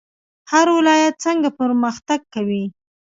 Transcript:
هر ولایت څنګه پرمختګ کوي؟